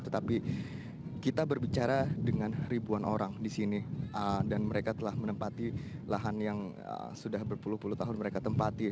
tetapi kita berbicara dengan ribuan orang di sini dan mereka telah menempati lahan yang sudah berpuluh puluh tahun mereka tempati